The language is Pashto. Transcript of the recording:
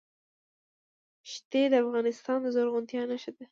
ښتې د افغانستان د زرغونتیا نښه ده.